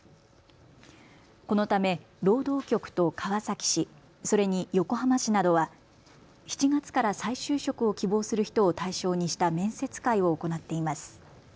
このため労働局と川崎市、それに横浜市などは７月から再就職を希望する人を対象にした面接会を行っています。